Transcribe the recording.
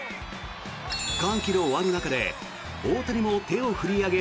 歓喜の輪の中で大谷も手を振り上げ